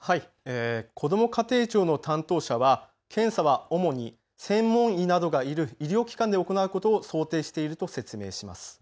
こども家庭庁の担当者は検査は主に専門医などがいる医療機関で行うことを想定していると説明します。